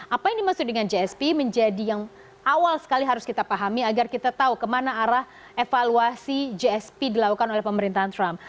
apa yang dimaksud dengan gsp menjadi yang awal sekali harus kita pahami agar kita tahu kemana arah evaluasi gsp dilakukan oleh pemerintahan trump